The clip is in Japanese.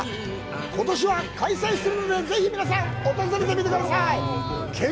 ことしは開催するのでぜひ皆さん訪れてみてください。